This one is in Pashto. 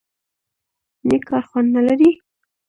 _نېک کار خوند نه لري؟